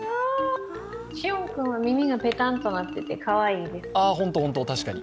シオン君は耳がペタンとなってて、かわいいです。